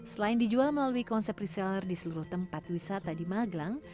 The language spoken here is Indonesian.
selain dijual melalui konsep reseller di seluruh tempat wisata di magelang